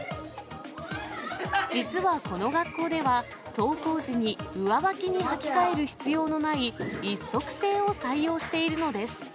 実はこの学校では、登校時に上履きに履き替える必要のない、一足制を採用しているのです。